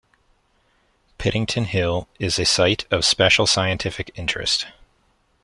Pittington Hill is a Site of Special Scientific Interest.